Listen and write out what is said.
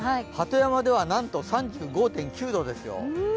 鳩山ではなんと３５．９度ですよ。